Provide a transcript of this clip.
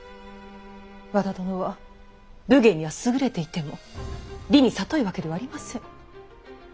和田殿は武芸には優れていても利にさといわけではありません。